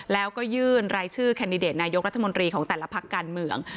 แล้วก็ยื่นรายชื่อแคนดิเดตนายกรัฐมนตรีของแต่ละพักการเมือง